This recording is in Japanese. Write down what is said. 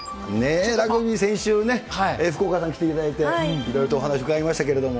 ラグビー、先週ね、福岡さん来ていただきまして、いろいろとお話を伺いましたけれども。